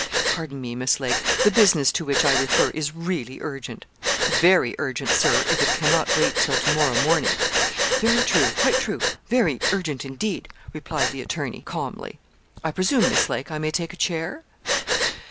'Pardon me, Miss Lake, the business to which I refer is really urgent.' 'Very urgent, Sir, if it cannot wait till to morrow morning.' 'Very true, quite true, very urgent indeed,' replied the attorney, calmly; 'I presume, Miss Lake, I may take a chair?'